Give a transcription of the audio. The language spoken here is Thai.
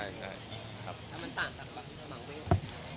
แล้วมันต่างจากสมัครตัวเองหรือเปล่า